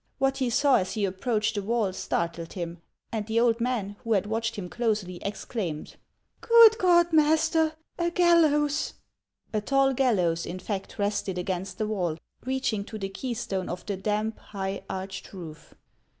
What he saw as he approached the wall, startled him ; and the old man, who had watched him closely, exclaimed, —" Good God, master ! a gallows ?" A tall gallows, in fact, rested against the wall, reaching to the keystone of the damp, high, arched roof.